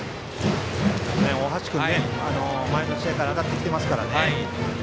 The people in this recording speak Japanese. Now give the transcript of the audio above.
大橋君、前の試合から当たってきてますからね。